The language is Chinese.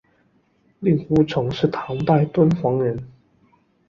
令狐澄是唐代敦煌人。